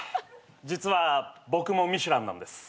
実は僕もミシュランなんです。